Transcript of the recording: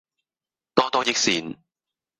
多多益善